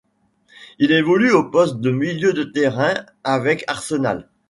Il évolue au poste de milieu de terrain avec Arsenal.